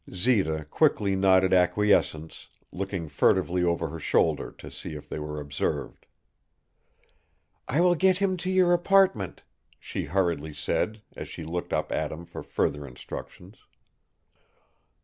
Zita quickly nodded acquiescence, looking furtively over her shoulder to see if they were observed. "I will get him to your apartment," she hurriedly said, as she looked up at him for further instructions.